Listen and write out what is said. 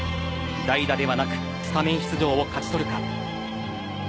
代打ではなくスタメン出場を勝ち取るか。